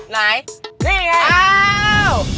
ไหนนี่ไงอ้าว